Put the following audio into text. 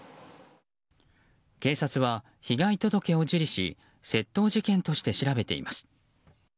警察は被害届を受理し窃盗事件として調べています。